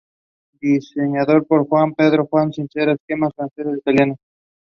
Dmitriyevka is the nearest rural locality.